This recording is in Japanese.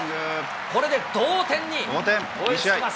これで同点に追いつきます。